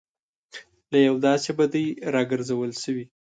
له یوې داسې بدۍ راګرځول شوي.